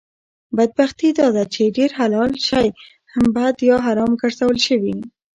بدبختي داده چې ډېر حلال شی هم بند یا حرام ګرځول شوي